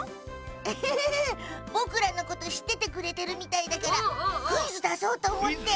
エヘヘヘッぼくらのことしっててくれてるみたいだからクイズだそうとおもって。